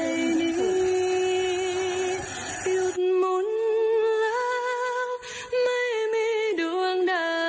หยุดมนต์แล้วไม่มีดวงดาว